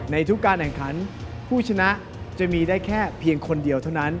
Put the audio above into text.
ทุกการแข่งขันผู้ชนะจะมีได้แค่เพียงคนเดียวเท่านั้น